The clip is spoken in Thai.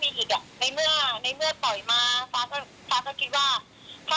ไม่หรอกพี่ฟ้ามีฟ้ายิดคำฟ้ายิดความถูกต้องนะคะฟ้ายิดความ